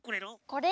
これ？